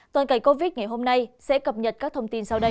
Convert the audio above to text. toàn cảnh covid ngày hôm nay sẽ cập nhật các thông tin sau đây